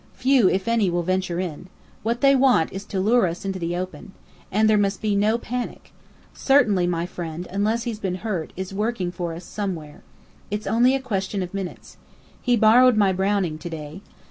Few, if any, will venture in. What they want is to lure us into the open. And there must be no panic. Certainly my friend, unless he's been hurt, is working for us somewhere. It's only a question of minutes. He borrowed my Browning to day.